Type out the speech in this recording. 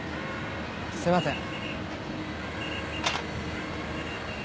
すいません。